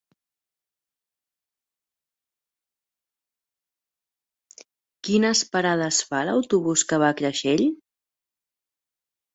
Quines parades fa l'autobús que va a Creixell?